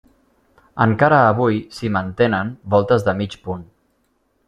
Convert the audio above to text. Encara avui s'hi mantenen voltes de mig punt.